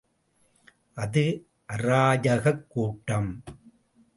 அது, அராஜகக் கூட்டம்.